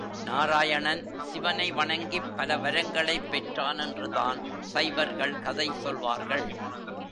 நாராயணன் சிவனை வணங்கிப் பல வரங்களைப் பெற்றான் என்றுதான் சைவர்கள் கதை சொல்வார்கள்.